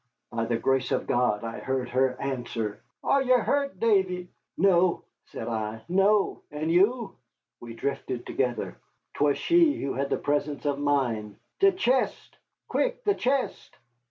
By the grace of God I heard her answer. "Are ye hurt, Davy?" "No," said I, "no. And you?" We drifted together. 'Twas she who had the presence of mind. "The chest quick, the chest!"